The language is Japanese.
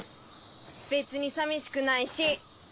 別に寂しくないし。